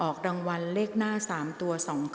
ออกรางวัลเลขหน้า๓ตัวครั้งที่๑ค่ะ